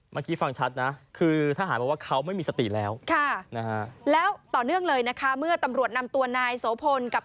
เมื่อกี้ฟังชัดนะคือทหารบอกว่าเขาไม่มีสติแล้วแล้วต่อเนื่องเลยนะคะเมื่อตำรวจนำตัวนายโสพลกับ